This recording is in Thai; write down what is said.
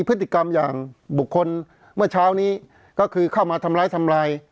พฤติกรรมอย่างบุคคลเมื่อเช้านี้ก็คือเข้ามาทำร้ายทำลาย